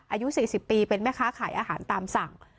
อายุ๔๐ปีเป็นแม่ค้าขายอาหารตามสั่ง